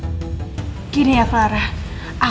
aku sama tante andis diteror sama orang yang sama